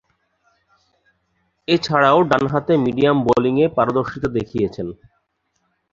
এছাড়াও ডানহাতে মিডিয়াম বোলিংয়ে পারদর্শীতা দেখিয়েছেন।